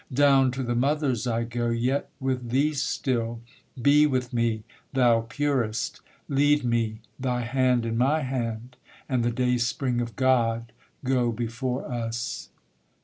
Down to the mothers I go yet with thee still! be with me, thou purest! Lead me, thy hand in my hand; and the dayspring of God go before us.